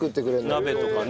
鍋とかね。